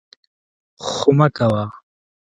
خو مه کوه!